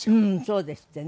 そうですってね。